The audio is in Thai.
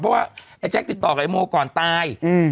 เพราะว่าไอ้แจ๊คติดต่อกับไอโมก่อนตาย